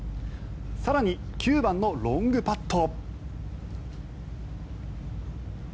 更に、９番のロングパット。